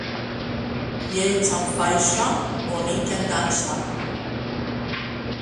Lleig amb faixa, bonic en dansa.